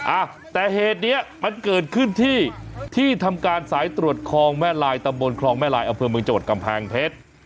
อ่ะแต่เหตุเนี้ยมันเกิดขึ้นที่ที่ทำการสายตรวจคลองแม่ลายตำบลคลองแม่ลายอำเภอเมืองจังหวัดกำแพงเพชร